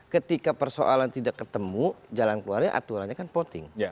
ketika persoalan tidak ketemu jalan keluarnya aturannya kan voting